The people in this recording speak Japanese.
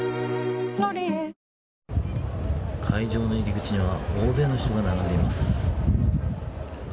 「ロリエ」会場の入り口には大勢の人が並んでいます。